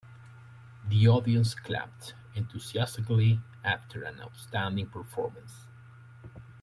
The audience clapped enthusiastically after an outstanding performance.